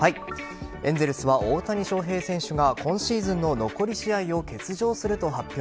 エンゼルスは、大谷翔平選手が今シーズンの残り試合を欠場すると発表。